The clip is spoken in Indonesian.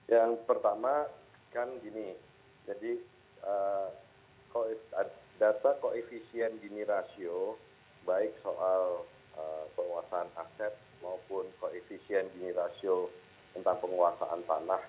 yang pertama kan gini jadi data koefisien dini rasio baik soal penguasaan aset maupun koefisien dini rasio tentang penguasaan tanah